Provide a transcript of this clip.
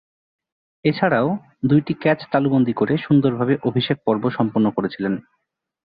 এছাড়াও, দুইটি ক্যাচ তালুবন্দী করে সুন্দরভাবে অভিষেক পর্ব সম্পন্ন করেছিলেন।